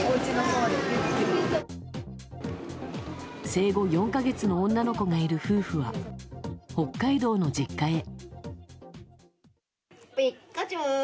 生後４か月の女の子がいる夫婦は北海道の実家へ。